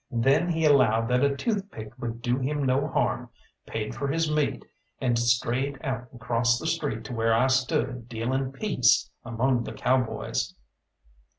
Then he allowed that a toothpick would do him no harm, paid for his meal, and strayed out across the street to where I stood dealing peace among the cowboys.